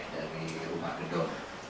dari rumah gedung